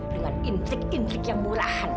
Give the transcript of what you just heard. dengan intrik intrik yang murahan